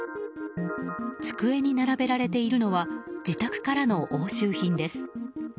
机に並べられているのは自宅からの押収品です。